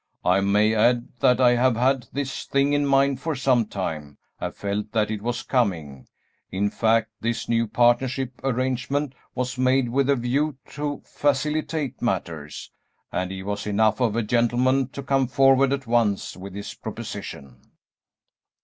"I may add that I have had this thing in mind for some time have felt that it was coming; in fact, this new partnership arrangement was made with a view to facilitate matters, and he was enough of a gentleman to come forward at once with his proposition."